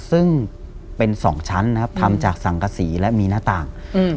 ซึ่งเป็น๒ชั้นทำจากสังกสีและมีหน้าต่าง